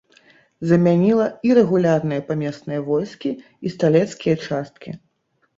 Замяніла ірэгулярныя памесныя войскі і стралецкія часткі.